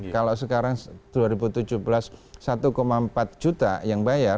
kalau sekarang dua ribu tujuh belas satu empat juta yang bayar